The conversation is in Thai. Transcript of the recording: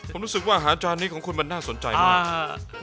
ผมรู้สึกว่าอาหารจานนี้ของคุณมันน่าสนใจมาก